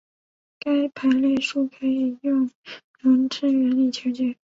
该排列数可以用容斥原理求解。